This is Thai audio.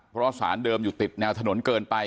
เพราะสารเดิมอยู่ติดแนวถนนเกินไป